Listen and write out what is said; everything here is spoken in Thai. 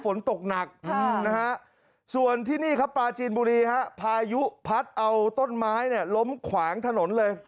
ฝนตกหนักนะฮะส่วนที่นี่ครับปลาจีนบุรีฮะพายุพัดเอาต้นไม้เนี่ยล้มขวางถนนเลย